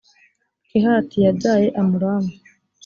kehati yabyaye amuramu.